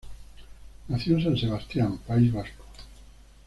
Nació en San Sebastián, País Vasco.